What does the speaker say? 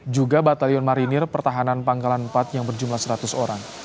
juga batalion marinir pertahanan pangkalan empat yang berjumlah seratus orang